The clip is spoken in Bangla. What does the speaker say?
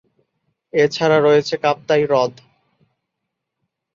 এছাড়া রয়েছে কাপ্তাই হ্রদ।